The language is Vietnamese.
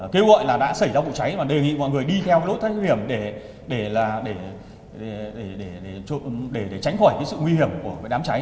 kêu gọi là đã xảy ra vụ cháy và đề nghị mọi người đi theo lối thoát hiểm để tránh khỏi sự nguy hiểm của đám cháy